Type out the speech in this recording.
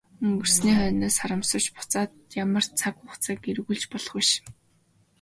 Өнгөрсний хойноос харамсавч буцаад ямар цаг хугацааг эргүүлж болох биш.